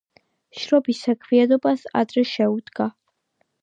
შრომით საქმიანობას ადრე შეუდგა.